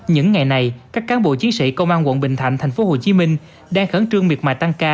những ngày này các cán bộ chiến sĩ công an quận bình thạnh thành phố hồ chí minh đang khẩn trương miệt mại tăng ca